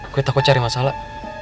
gue takut cari masalah